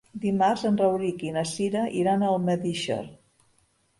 Dimarts en Rauric i na Cira iran a Almedíxer.